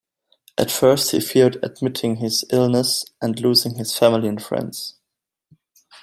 At first he feared admitting his illness and losing his family and friends.